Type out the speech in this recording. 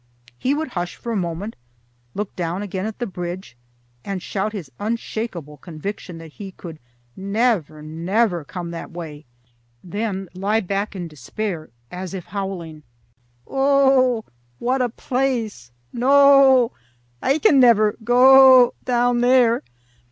He would hush for a moment, look down again at the bridge, and shout his unshakable conviction that he could never, never come that way; then lie back in despair, as if howling, "O o oh! what a place! No o o, I can never go o o down there!"